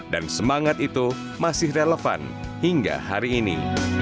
dan semangat itu masih relevan hingga hari ini